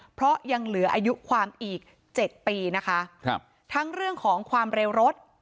เพราะยังเหลืออายุความอีกเจ็ดปีนะคะครับทั้งเรื่องของความเร็วรถ